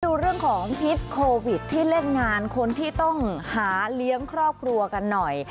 ดูเรื่องของพิษโควิดที่เล่นงานคนที่ต้องหาเลี้ยงครอบครัวกันหน่อย